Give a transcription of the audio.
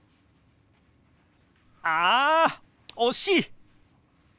あ惜しい！